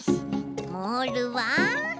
モールは？